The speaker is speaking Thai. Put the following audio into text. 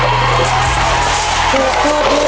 เร็วเลย